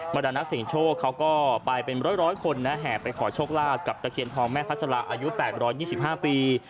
บรรดานักเสียงโชคเขาก็ไปเป็นร้อยคนนะแห่ไปขอโชคลาภกับตะเคียนทองแม่พัสลาอายุ๘๒๕ปี